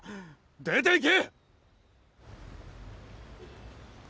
出て行け！